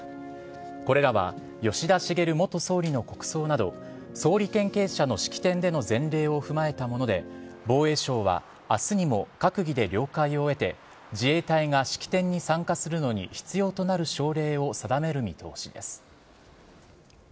これらは吉田茂元総理の国葬など、総理経験者の式典での前例を踏まえたもので、防衛省は、あすにも閣議で了解を得て、自衛隊が式典に参加するのに必要となる省令を定める見通しです。